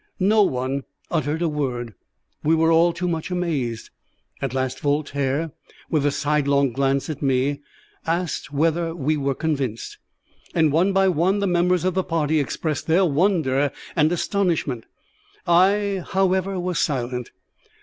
No one uttered a word, we were all too much amazed. At last Voltaire, with a sidelong glance at me, asked whether we were convinced, and one by one the members of the party expressed their wonder and astonishment. I, however, was silent.